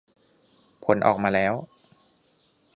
ผลออกมาแล้ว